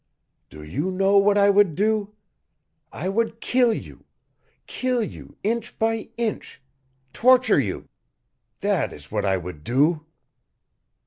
"Do you know what I would do? I would kill you kill you inch by inch torture you. That is what I would do."